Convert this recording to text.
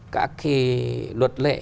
các cái luật lệ